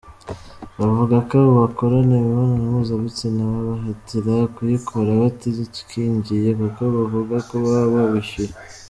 Bavuga ko abo bakorana imibonano mpuzabitsina babahatira kuyikora batikingiye kuko bavuga ko baba babishyuye.